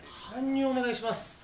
搬入お願いします。